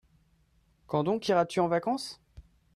Quand donc iras-tu en vacances ?